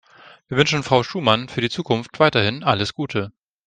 Wir wünschen Frau Schumann für die Zukunft weiterhin alles Gute.